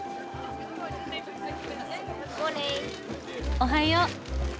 おはよう。